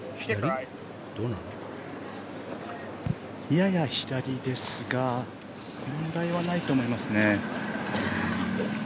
やや左ですが問題はないと思いますね。